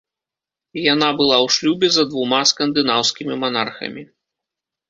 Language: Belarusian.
Яна была ў шлюбе за двума скандынаўскімі манархамі.